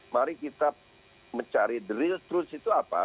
mari kita mencari the real throots itu apa